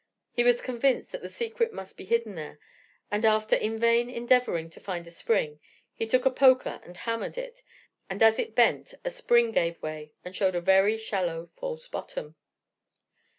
He was convinced that the secret must be hidden there, and after in vain endeavoring to find a spring, he took a poker and hammered it, and as it bent a spring gave way, and showed a very shallow false bottom.